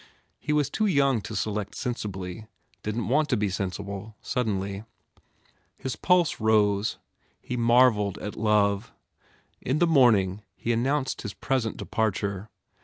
He was too young to select sensibly, didn t want to be sensible, suddenly. His pulse rose. He mar velled at love. In the morning he announced his present departure.